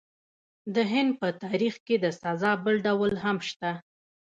د هند په تاریخ کې د سزا بل ډول هم شته.